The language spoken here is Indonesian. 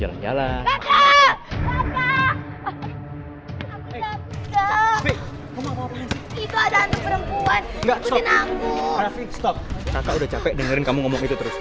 kakak udah capek dengerin kamu ngomong itu terus